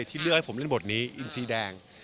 ที่เลือกให้ผมเล่นบทนี้อินซีแดง